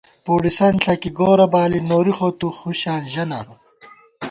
پُڑِسنت ݪَکی گورہ بالی نوری خو تُو ہُشاں ژَہ نا